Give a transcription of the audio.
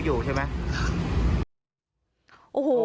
ก็ยังเดี๋ยวเสียวอยู่ใช่ไหม